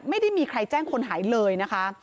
ไม่ได้มีใครแจ้งคนหายเลยนะคะ